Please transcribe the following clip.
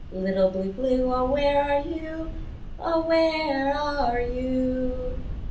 Little Blue Blue, oh, where are you? Oh, where are you u u u?"